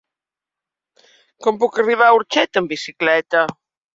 Com puc arribar a Orxeta amb bicicleta?